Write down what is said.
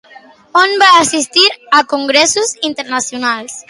On va assistir a congressos internacionals?